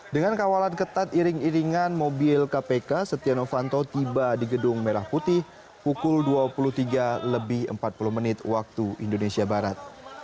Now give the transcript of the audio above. dengan kawalan ketat iring iringan mobil kpk setia novanto tiba di gedung merah putih pukul dua puluh tiga lebih empat puluh menit waktu indonesia barat